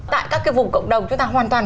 tại các cái vùng cộng đồng chúng ta hoàn toàn